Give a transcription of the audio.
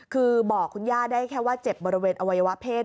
คือบอกคุณย่าได้แค่ว่าเจ็บบริเวณอวัยวะเพศ